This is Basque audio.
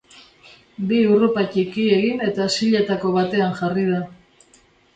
Bi hurrupa ttiki egin eta silletako batean jarri da.